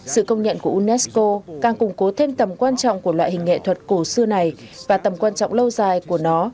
sự công nhận của unesco càng củng cố thêm tầm quan trọng của loại hình nghệ thuật cổ xưa này và tầm quan trọng lâu dài của nó